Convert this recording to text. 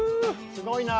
すごいな。